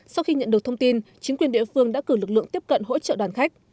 sau khi nhận được thông tin chính quyền địa phương đã cử lực lượng tiếp cận hỗ trợ đoàn khách